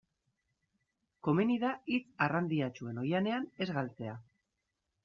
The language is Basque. Komeni da hitz arrandiatsuen oihanean ez galtzea.